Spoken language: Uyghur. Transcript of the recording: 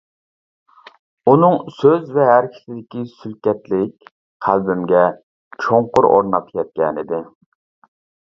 ئۇنىڭ سۆز ۋە ھەرىكىتىدىكى سۈلكەتلىك قەلبىمگە چوڭقۇر ئورناپ كەتكەنىدى.